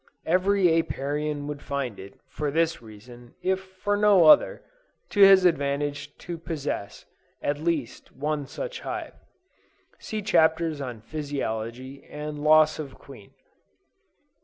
Every Apiarian would find it, for this reason, if for no other, to his advantage to possess, at least, one such hive. (See Chapters on Physiology, and loss of Queen.)